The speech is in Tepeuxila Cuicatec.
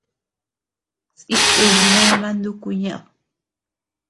Sï kun dama nuku ñeʼed.